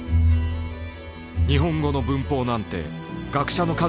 「日本語の文法なんて学者の数だけある。